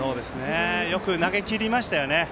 よく投げきりましたよね。